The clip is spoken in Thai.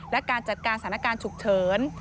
และการจัดการสถานการณ์ฉุกเฉิน